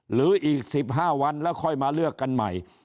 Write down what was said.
หรืออีก๑๕วันแล้วค่อยมาเลือกกันใหม่